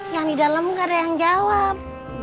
yang di dalam gak ada yang jawab